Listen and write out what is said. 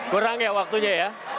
kurang ya waktunya ya